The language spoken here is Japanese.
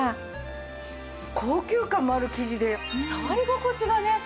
高級感もある生地で触り心地がね